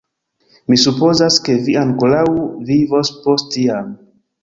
Mi supozas, ke vi ankoraŭ vivos post tiam.